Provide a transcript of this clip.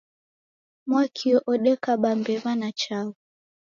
Mwakio odekaba mbewa na changu.